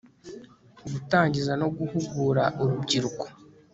Gutangiza no guhugura urubyiruko